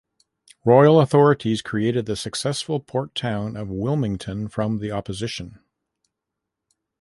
Royal authorities created the successful port town of Wilmington from the opposition.